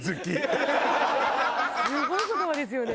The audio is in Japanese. すごい言葉ですよね。